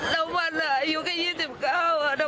แล้วมันเอะอายุเกี่ยว๒๙อ่ะ